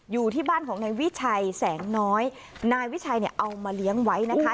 อยู่ที่บ้านของนายวิชัยแสงน้อยนายวิชัยเนี่ยเอามาเลี้ยงไว้นะคะ